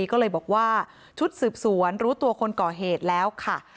ก็เลยบอกว่าชุดสืบสวนรู้ตัวคนก่อเหตุแล้วค่ะ